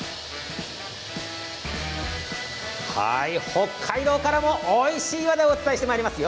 北海道からもおいしいものをお伝えしてまいります。